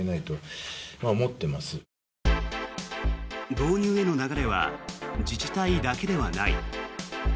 導入への流れは自治体だけではない。